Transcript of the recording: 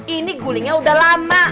ini gulingnya udah lama